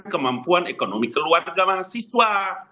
kemampuan ekonomi keluarga mahasiswa